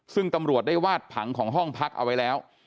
ซึ่งตำรวจได้วาดผังของห้องพักเอาไว้แล้ว